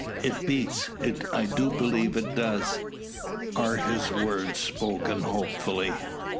"It beats! I do believe it does!" are his words, spoken hopefully.